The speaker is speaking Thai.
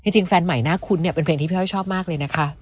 จริงแฟนใหม่น่าคุ้นเนี่ยเป็นเพลงที่พี่อ้อยชอบมากเลยนะคะ